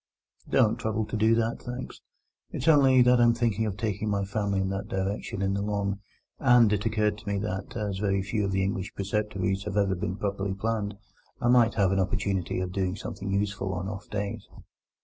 "Don't trouble to do that, thanks. It's only that I'm thinking of taking my family in that direction in the Long, and it occurred to me that, as very few of the English preceptories have ever been properly planned, I might have an opportunity of doing something useful on off days."